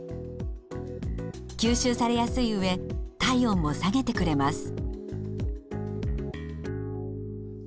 吸収されやすいうえ体温も下げてくれます。